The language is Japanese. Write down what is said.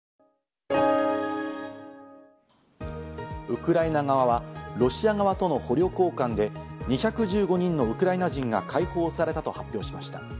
ウクライナ側はロシア側との捕虜交換で２１５人のウクライナ人が解放されたと発表しました。